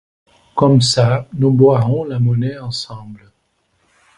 Comme ça, nous boirons la monnaie ensemble.